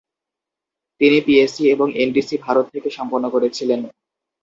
তিনি পিএসসি এবং এনডিসি ভারত থেকে সম্পন্ন করেছিলেন।